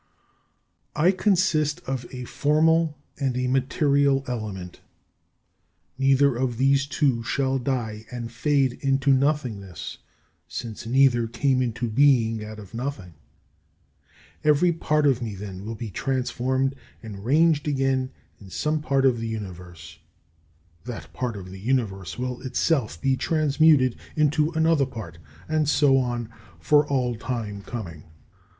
13. I consist of a formal and a material element. Neither of these two shall die and fade into nothingness, since neither came into being out of nothing. Every part of me, then, will be transformed and ranged again in some part of the Universe. That part of the Universe will itself be transmuted into another part, and so on for all time coming.